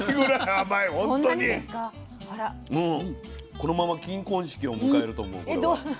このまま金婚式を迎えると思うこれは。